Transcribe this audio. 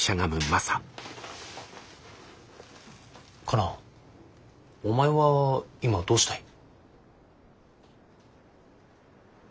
カナお前は今どうしたい？